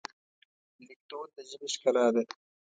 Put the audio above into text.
لیکدود د ژبې ښکلا ده.